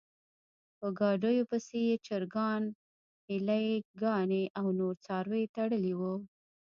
په ګاډیو پسې یې چرګان، هیلۍ ګانې او نور څاروي تړلي و.